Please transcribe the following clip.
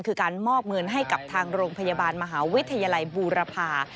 คือการมอบเงินให้กับทางโรงพยาบาลมหาวิทยาลัยบูรพา